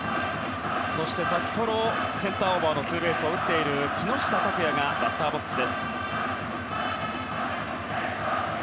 先ほどセンターオーバーのツーベースを打っている木下拓哉がバッターボックス。